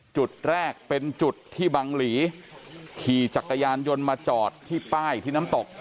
จุดแรกเป็นจุดที่บังหลีขี่จักรยานยนต์มาจอดที่ป้ายที่น้ำตก